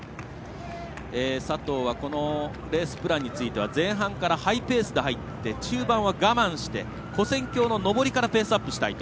佐藤はレースプランについては前半からハイペースで入って中盤は我慢して跨線橋の上りからペースアップしたいと。